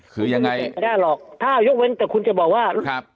คือยังไงไม่ได้หรอกถ้ายกเว้นแต่คุณจะบอกว่า